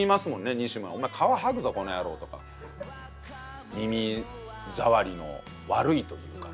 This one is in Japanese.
西村に「お前皮剥ぐぞこの野郎」とか。耳ざわりの悪いというかね。